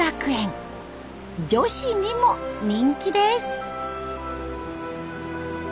女子にも人気です。